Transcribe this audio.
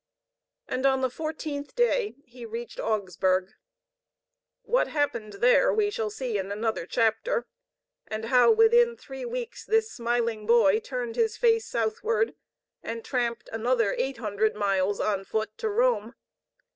And on the fourteenth day he reached Augsburg. What happened there, we shall see in another chapter, and how within three weeks this smiling boy turned his face southward and tramped another eight hundred miles on foot to Rome.